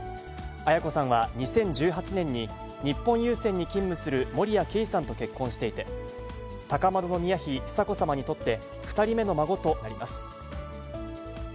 絢子さんは、２０１８年に日本郵船に勤務する守谷慧さんと結婚していて、高円宮妃久子さまにとって２人目の孫となります。